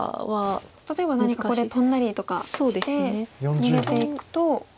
例えば何かここでトンだりとかして逃げていくと。